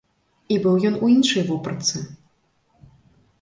І быў ён у іншай вопратцы.